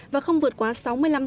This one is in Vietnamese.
và không vượt qua sáu mươi năm